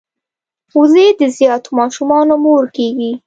وزې د زیاتو ماشومانو مور کیږي